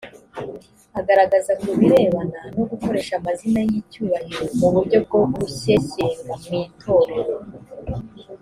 agaragaza ku birebana no gukoresha amazina y icyubahiro mu buryo bwo gushyeshyenga mu itorero